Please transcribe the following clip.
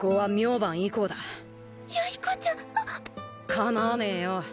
構わねえよ。